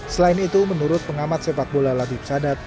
selain itu menurut pengamat sepak bola labib sadat